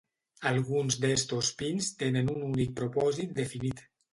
Alguns d'estos pins tenen un únic propòsit definit.